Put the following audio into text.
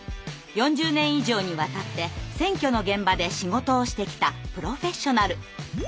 ４０年以上にわたって選挙の現場で仕事をしてきたプロフェッショナル！